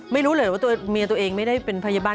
ไม่รู้เลยว่าตัวเมียตัวเองไม่ได้เป็นพยาบาล